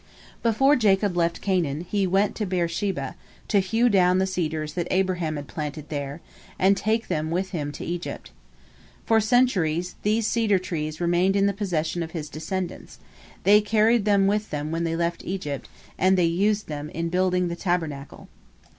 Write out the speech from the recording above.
Before Jacob left Canaan, he went to Beer sheba, to hew down the cedars that Abraham had planted there, and take them with him to Egypt. For centuries these cedar trees remained in the possession of his descendants; they carried them with them when they left Egypt, and they used them in building the Tabernacle.